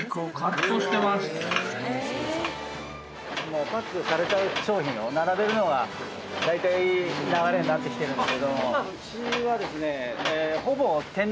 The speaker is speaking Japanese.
もうパックされた商品を並べるのが大体流れになってきてるんだけども。